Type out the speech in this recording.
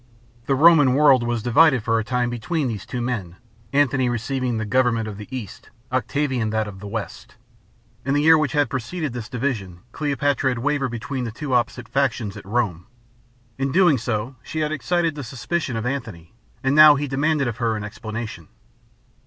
The Roman world was divided for the time between these two men, Antony receiving the government of the East, Octavian that of the West. In the year which had preceded this division Cleopatra had wavered between the two opposite factions at Rome. In so doing she had excited the suspicion of Antony, and he now demanded of her an explanation.